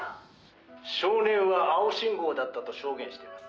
少年は青信号だったと証言しています。